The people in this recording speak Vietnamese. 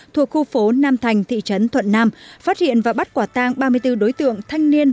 thuộc khu phố nam thành thị trấn thuận nam phát hiện và bắt quả tang ba mươi bốn đối tượng thanh niên